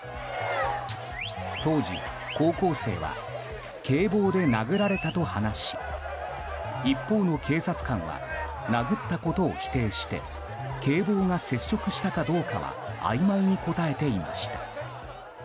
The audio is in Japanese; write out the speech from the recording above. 当時、高校生は警棒で殴られたと話し一方の警察官は殴ったことを否定して警棒が接触したかどうかはあいまいに答えていました。